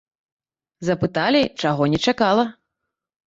Запыталі, чаго не чакала.